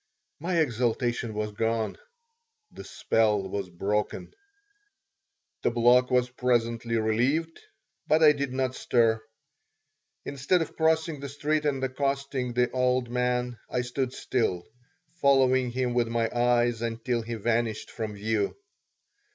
My exaltation was gone. The spell was broken. The block was presently relieved, but I did not stir. Instead of crossing the street and accosting the old man, I stood still, following him with my eyes until he vanished from view.